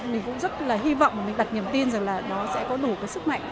mình cũng rất là hy vọng mình đặt niềm tin rằng là nó sẽ có đủ cái sức mạnh